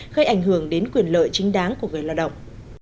gây ảnh hưởng đến quyền lợi chính đáng của người lao động